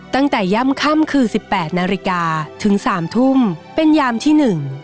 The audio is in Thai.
ตั้งแต่ย่ำค่ำคือ๑๘นาฬิกาถึง๓ทุ่มเป็นยามที่๑